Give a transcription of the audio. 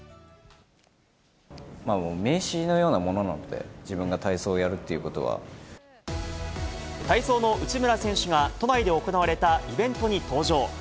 もう名刺のようなものなので、体操の内村選手が都内で行われたイベントに登場。